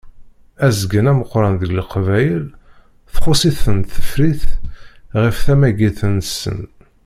Azgen ameqqran deg Leqbayel txuṣṣ-iten tefrit ɣef tamagit-nsen.